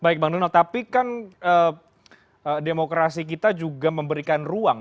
baik bang donald tapi kan demokrasi kita juga memberikan ruang